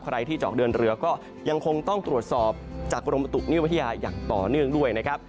ใครที่จะออกเดินเรือก็ยังคงต้องตรวจสอบจากกรมประตุนิวัทยาอย่างต่อเนื่องด้วยนะครับ